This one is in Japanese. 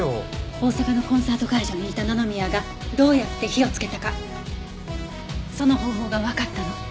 大阪のコンサート会場にいた野々宮がどうやって火をつけたかその方法がわかったの。